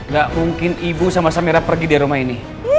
gak mungkin ibu sama samira pergi dari rumah ini